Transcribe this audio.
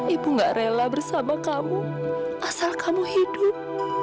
ibu gak rela bersama kamu asal kamu hidup